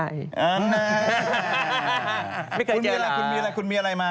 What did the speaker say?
ไม่เคยเจอนะคุณมีอะไรมาคุณมีอะไร